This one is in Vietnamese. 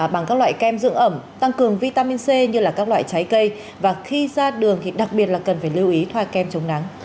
bằng các loại kem dưỡng ẩm tăng cường vitamin c như là các loại trái cây và khi ra đường thì đặc biệt là cần phải lưu ý thoai kem chống nắng